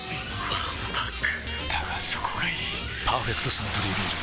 わんぱくだがそこがいい「パーフェクトサントリービール糖質ゼロ」